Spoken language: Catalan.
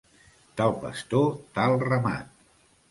Tal pastor, tal ramat.